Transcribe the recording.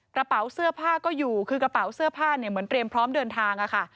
กระเป๋าเสื้อผ้าก็อยู่คือกระเป๋าเสื้อผ้าเนี่ยเหมือนเตรียมพร้อมเดินทางค่ะ